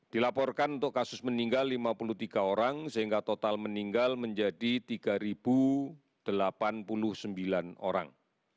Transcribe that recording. dilaporkan untuk kasus meninggal lima puluh tiga orang sehingga total meninggal menjadi tiga delapan puluh sembilan orang